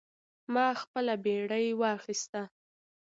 ما خپله بیړۍ واخیسته.